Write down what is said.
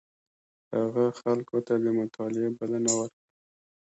هغه خلکو ته د مطالعې بلنه ورکړه.